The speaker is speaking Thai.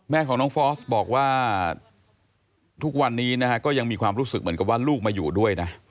แม่ของน้องฟอสบอกว่าทุกวันนี้นะฮะก็ยังมีความรู้สึกเหมือนกับว่าลูกมาอยู่ด้วยนะ